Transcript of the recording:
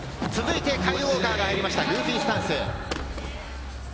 カイル・ウォーカーが入りました、グーフィースタンス。